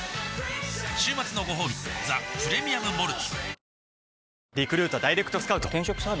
週末のごほうび「ザ・プレミアム・モルツ」